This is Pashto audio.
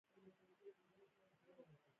د نیل توتیا محلول آبی رنګ لرونکی دی.